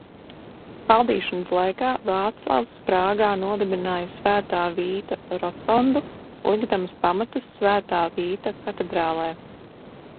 Valdīšanas laikā Vāclavs Prāgā nodibināja Svētā Vīta rotondu, likdams pamatus Svētā Vīta katedrālei.